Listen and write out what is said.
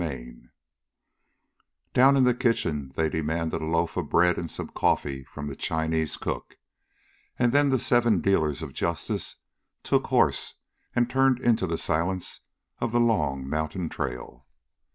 6 Down in the kitchen they demanded a loaf of bread and some coffee from the Chinese cook, and then the seven dealers of justice took horse and turned into the silence of the long mountain trail.